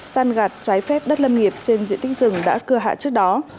san gạt trái phép đất lâm nghiệp trên diện tích rừng đã cưa hạ trước đó